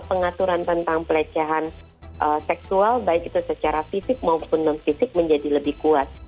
pengaturan tentang pelecehan seksual baik itu secara fisik maupun non fisik menjadi lebih kuat